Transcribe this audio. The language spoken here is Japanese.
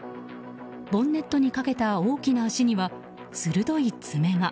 ボンネットにかけた大きな足には鋭い爪が。